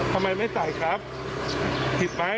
ทำไมไม่ใส่ครับผิดไหม